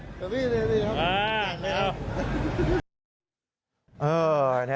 สวัสดีครับ